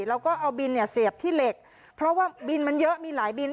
แล้วก็เอาบินเนี่ยเสียบที่เหล็กเพราะว่าบินมันเยอะมีหลายบิน